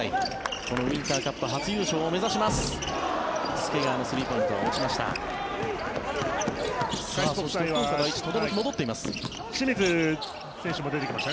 このウインターカップ初優勝を目指します。